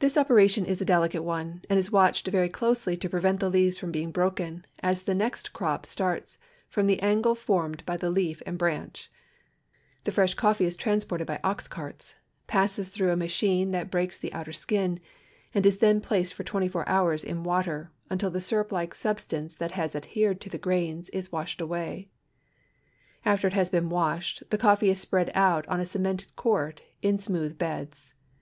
This operation is a delicate one, and is watched very closely to prevent the leaves from beino broken, as the next crop starts from the angle formed by the leaf and brancli. The fresh coft'ee is transported by ox carts, passes through a machine that breaks the outer skin, and is then placed for twent^^ four hours in water, until the sja up like substance that has adhered to the grains is washed awa}^ After it has been washed, the coffee is spread out on a cemented court into smooth beds.